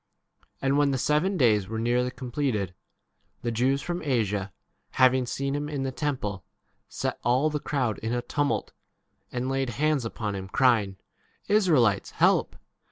And when the seven days were nearly completed, the Jews from Asia, having seen him in the temple, set all the crowd in a tumult, and laid hands upon 28 him, crying,P Israelites, help